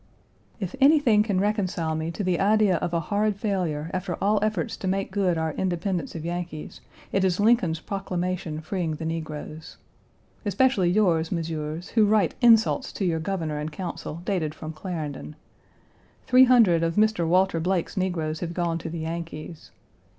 If anything can reconcile me to the idea of a horrid failure after all efforts to make good our independence of Yankees, it is Lincoln's proclamation freeing the negroes. Especially yours, Messieurs, who write insults to your Governor and Council, dated from Clarendon. Three hundred of Mr. Walter Blake's negroes have gone to the Yankees.